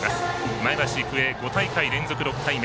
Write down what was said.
前橋育英、５大会連続６回目。